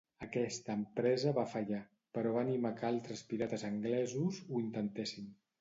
Aquesta empresa va fallar, però va animar que altres pirates anglesos ho intentessin.